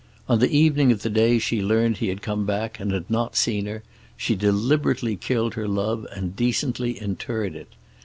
On the evening of the day she learned he had come back and had not seen her, she deliberately killed her love and decently interred it.